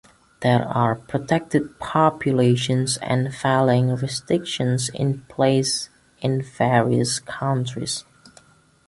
There are protected populations and felling restrictions in place in various countries.